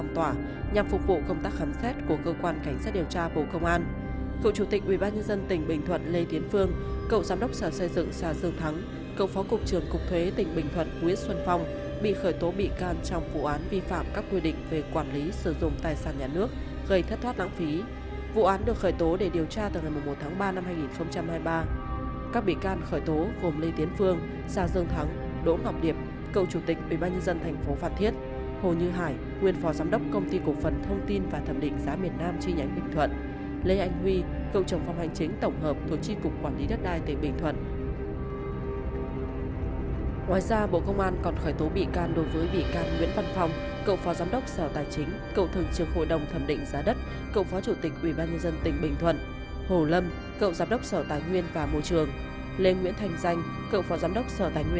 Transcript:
sáu bị can đều đang chấp hành án phạt tù trong vụ án vi phạm quy định về quản lý sử dụng tài sản nhà nước gây thất thoát lãng phí và thiếu trách nhiệm gây hậu quả nghiêm trọng